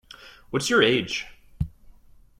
What's your age?